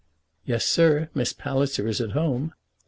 "Yes, sir; Miss Palliser is at home."